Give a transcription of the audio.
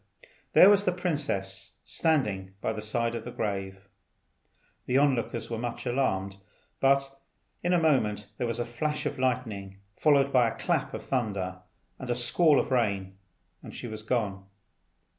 there was the princess standing by the side of the grave. The lookers on were much alarmed, but in a moment there was a flash of lightning, followed by a clap of thunder and a squall of rain, and she was gone.